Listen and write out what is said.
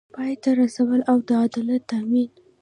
پای ته رسول او د عدالت تامین